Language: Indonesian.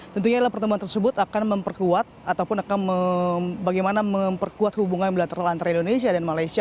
tentunya pertemuan tersebut akan memperkuat atau bagaimana memperkuat hubungan bilateral antara indonesia dan malaysia